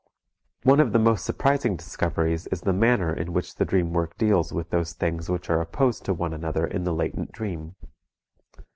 One of the most surprising discoveries is the manner in which the dream work deals with those things which are opposed to one another in the latent dream.